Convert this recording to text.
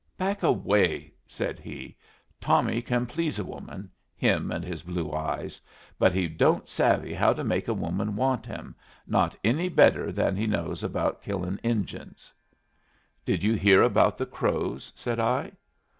"Back away!" said he. "Tommy can please a woman him and his blue eyes but he don't savvy how to make a woman want him, not any better than he knows about killin' Injuns." "Did you hear about the Crows?" said I.